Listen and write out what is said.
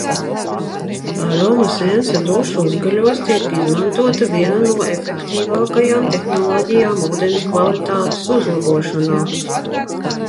Aroma Sense dušu uzgaļos tiek izmantota viena no efektīvākajām tehnoloģijām ūdens kvalitātes uzlabošanā